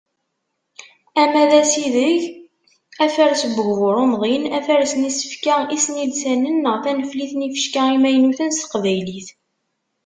Ama d asideg, afares n ugbur umḍin, afares n yisefka isnilsanen neɣ taneflit n yifecka imaynuten s teqbaylit.